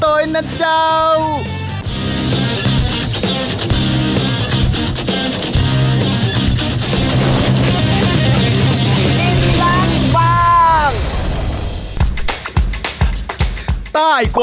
อร่อยมาก